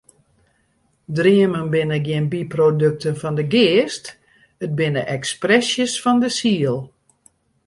Dreamen binne gjin byprodukten fan de geast, it binne ekspresjes fan de siel.